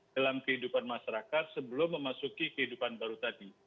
dalam kehidupan masyarakat sebelum memasuki kehidupan baru tadi